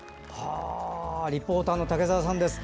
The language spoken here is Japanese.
リポーターの竹澤さんです。